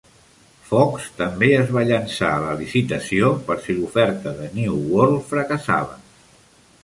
Fox també es va llançar a la licitació per si l'oferta de New World fracassava.